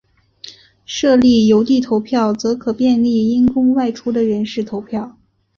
设立邮递投票则可便利因公外出的人士投票。